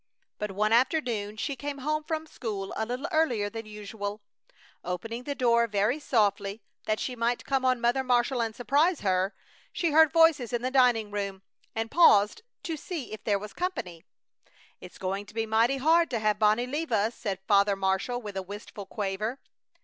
But one afternoon she came home from school a little earlier than usual. Opening the door very softly that she might come on Mother Marshall and surprise her, she heard voices in the dining room, and paused to see if there was company. "It's going to be mighty hard to have Bonnie leave us," said Father Marshall, with a wistful quaver.